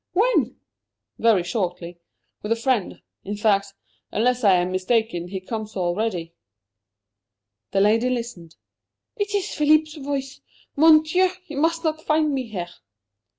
When?" "Very shortly with a friend. In fact, unless I am mistaken, he comes already." The lady listened. "It is Philippe's voice! Mon Dieu! He must not find me here."